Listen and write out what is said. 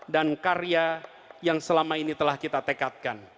dan karya yang selama ini telah kita tekatkan